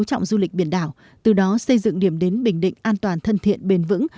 từ đó xây dựng điểm đến bình định an toàn thân thiện bền vững